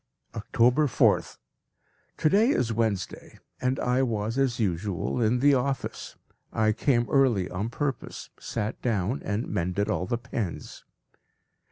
October 4th. To day is Wednesday, and I was as usual in the office. I came early on purpose, sat down, and mended all the pens.